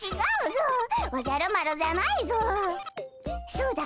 そうだ！